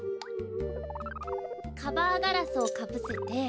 カバーガラスをかぶせて。